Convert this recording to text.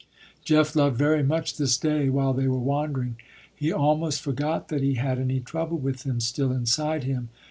Jeff loved very much this day while they were wandering. He almost forgot that he had any trouble with him still inside him.